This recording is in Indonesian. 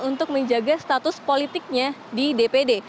untuk menjaga status politiknya di dpd